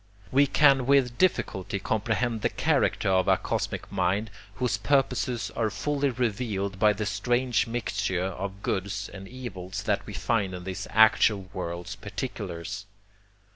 We can with difficulty comprehend the character of a cosmic mind whose purposes are fully revealed by the strange mixture of goods and evils that we find in this actual world's particulars.